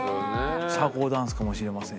社交ダンスかもしれませんし。